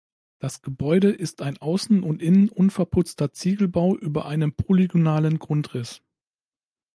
Das Gebäude ist ein außen und innen unverputzter Ziegelbau über einem polygonalen Grundriss.